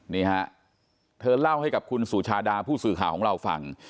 นี่ฮะเธอเล่าให้กับคุณสุชาดาผู้สื่อข่าวของเราฟัง